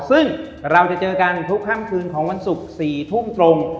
ซึ่งเราจะเจอกันทุกค่ำคืนของวันศุกร์๔ทุ่มตรง